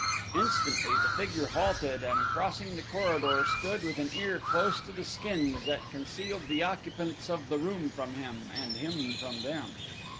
Instantly the figure halted and crossing the corridor stood with an ear close to the skins that concealed the occupants of the room from him, and him from them.